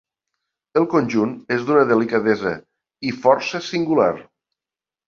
El conjunt és d'una delicadesa i força singular.